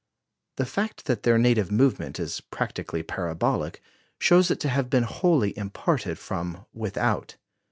The fact that their native movement is practically parabolic shows it to have been wholly imparted from without.